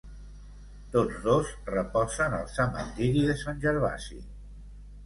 Tots dos reposen al cementiri de Sant Gervasi.